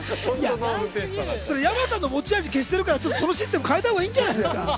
山さんの持ち味消してるから、そのシステム変えたほうがいいんじゃないですか？